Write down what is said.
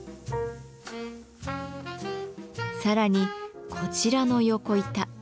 更にこちらの横板。